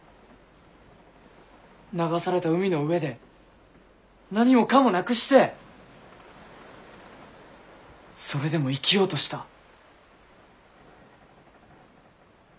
流された海の上で何もかもなくしてそれでも生きようとした。